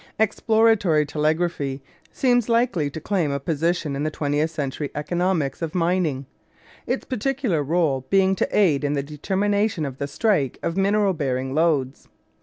Exploratory telegraphy seems likely to claim a position in the twentieth century economics of mining, its particular rôle being to aid in the determination of the "strike" of mineral bearing lodes.